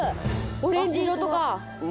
オレンジ色とか。